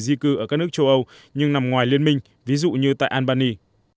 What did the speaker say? di cư ở các nước châu âu nhưng nằm ngoài liên minh ví dụ như tại albany